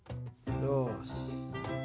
よし。